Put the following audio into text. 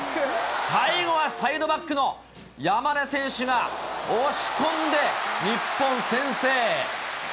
最後はサイドバックの山根選手が押し込んで、日本先制。